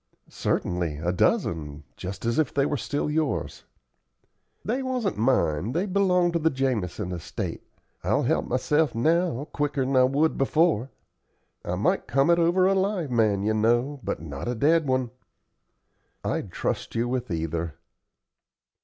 "Certainly, a dozen, just as if they were still yours." "They wasn't mine they belonged to the Jamison estate. I'll help myself now quicker'n I would before. I might come it over a live man, you know, but not a dead one." "I'd trust you with either."